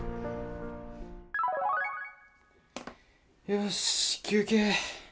よし休憩。